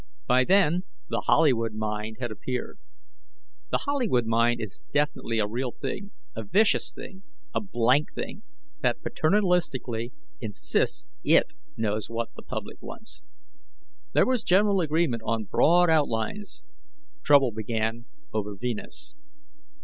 By then, the Hollywood Mind had appeared. The Hollywood Mind is definitely a real thing, a vicious thing, a blank thing, that paternalistically insists It knows what the public wants. There was general agreement on broad outlines. Trouble began over Venus.